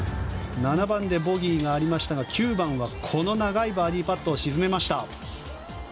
７番でボギーがありましたが９番はこの長いバーディーパットを沈めました。